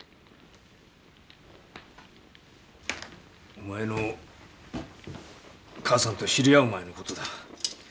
お前の母さんと知り合う前のことだ。